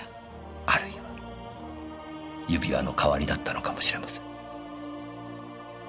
あるいは指輪の代わりだったのかもしれません。